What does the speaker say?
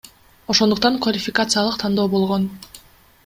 Ошондуктан квалификациялык тандоо болгон.